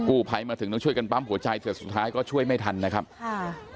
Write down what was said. ภัยมาถึงต้องช่วยกันปั๊มหัวใจแต่สุดท้ายก็ช่วยไม่ทันนะครับค่ะ